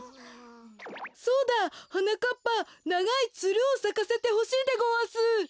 そうだはなかっぱながいつるをさかせてほしいでごわす。